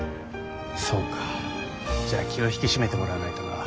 そうかじゃあ気を引き締めてもらわないとな。